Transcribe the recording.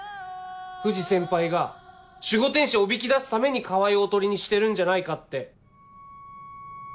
藤先輩が守護天使をおびき出すために川合をおとりにしてるんじゃないかって。